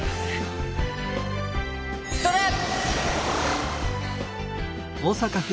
ストレッ！